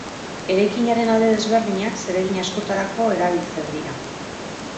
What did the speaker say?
Eraikinaren alde desberdinak zeregin askotarako erabiltzen dira.